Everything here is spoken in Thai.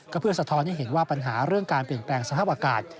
ก็เพื่อสะท้อนให้เห็นว่าปัญหาเรื่องการเปลี่ยนแปลงสภาพอากาศ